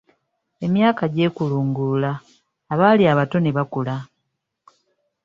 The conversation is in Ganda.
Emyaka gy'ekulungulula abaali abato ne bakula.